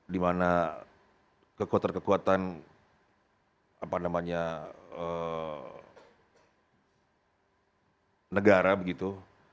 di mana kekuatan kekuatan apa namanya negara begitu